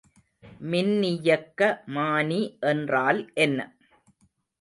மின்னியக்கமானி என்றால் என்ன?